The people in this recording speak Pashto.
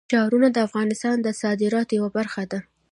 ښارونه د افغانستان د صادراتو یوه برخه ده.